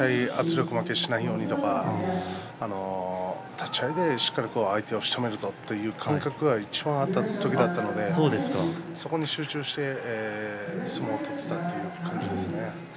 力負けしないようにとか立ち合いでしっかり相手をしとめるぞという感覚がいちばんあった時なので集中して相撲を取っていたという感じですね。